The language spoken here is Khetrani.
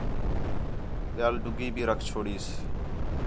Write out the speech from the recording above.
ٻِیال ݙُڳّی بھی رکھ چھوڑیس